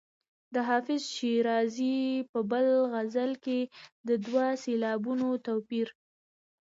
د حافظ شیرازي په بل غزل کې د دوو سېلابونو توپیر.